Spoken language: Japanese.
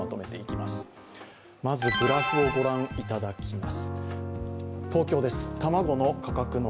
まずグラフをご覧いただきます。